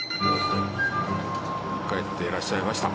帰っていらっしゃいました。